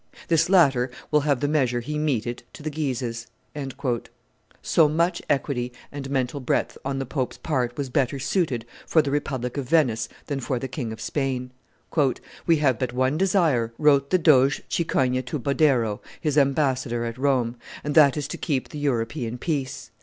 this latter will have the measure he meted to the Guises." So much equity and mental breadth on the pope's part was better suited for the republic of Venice than for the King of Spain. "We have but one desire," wrote the Doge Cicogna to Badoero, his ambassador at Rome, "and that is to keep the European peace.